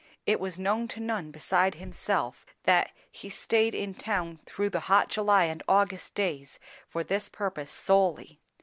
It was known to none beside himself, that he staid in town through the hot July and August days for this purpose solely.